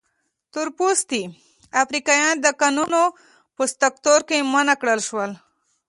تور پوستي افریقایان د کانونو په سکتور کې منع کړل شول.